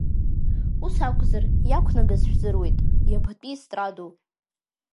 Ус акәзар, иақәнагаз шәзыруит, иабатәи естрадоу?